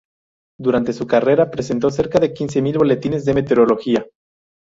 Durante su carrera, presentó cerca de quince mil boletines de meteorología.